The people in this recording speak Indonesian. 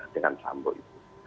dengan sambo itu